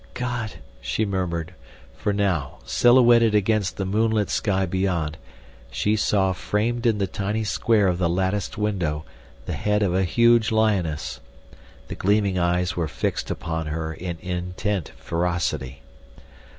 "God!" she murmured, for now, silhouetted against the moonlit sky beyond, she saw framed in the tiny square of the latticed window the head of a huge lioness. The gleaming eyes were fixed upon her in intent ferocity.